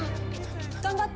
頑張って。